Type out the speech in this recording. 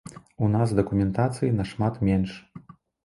У нас дакументацыі нашмат менш.